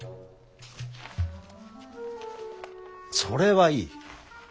それはいい。